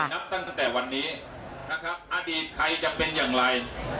นับตั้งแต่วันนี้นะครับอดีตใครจะเป็นอย่างไร